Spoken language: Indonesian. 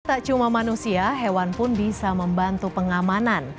tak cuma manusia hewan pun bisa membantu pengamanan